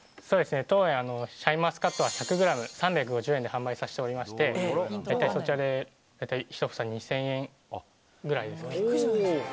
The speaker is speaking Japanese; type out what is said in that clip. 当園、シャインマスカットは１００ｇ３５０円で販売しておりまして大体、そちらで１房２０００円ぐらいですね。